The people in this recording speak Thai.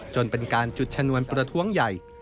จนเป็นการจุดชนวนประท้วงใหญ่